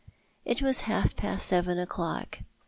It was half past seven o'clock.